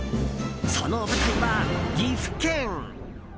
その舞台は岐阜県。